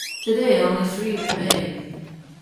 Today only three remain.